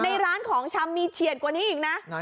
ในร้านของชำมีเฉียดกว่านี้อีกนะ